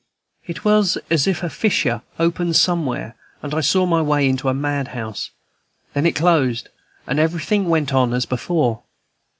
It was as if a fissure opened somewhere, and I saw my way into a mad house; then it closed, and everything went on as before.